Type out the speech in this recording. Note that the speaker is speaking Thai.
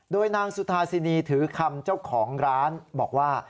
โดยนางสุธาสินีถือคำเจ้าของร้านบอกว่า